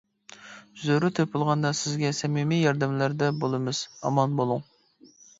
زۆرۈر تېپىلغاندا، سىزگە سەمىمىي ياردەملەردە بولىمىز. ئامان بولۇڭ!